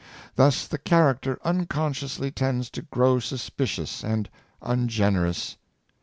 Thus the character unconsciously tends to grow suspicious and ungenerous.